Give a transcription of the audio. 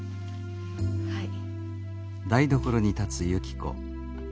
はい。